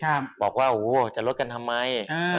ซานาจะลดกันทำไม